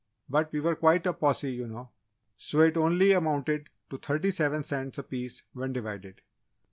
But we were quite a posse, you know, so it only amounted to thirty seven cents a piece, when divided."